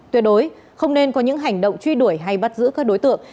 tuyệt đối không nên có những hành động truy đuổi hay bắt giữ các đối tượng